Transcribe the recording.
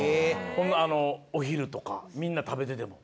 お昼とかみんな食べてても。